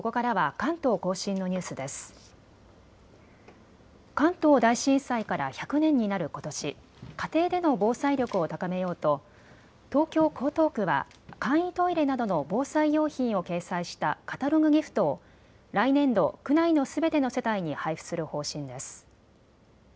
関東大震災から１００年になることし、家庭での防災力を高めようと東京江東区は簡易トイレなどの防災用品を掲載したカタログギフトを来年度、区内のすべての世帯に配布する方針です。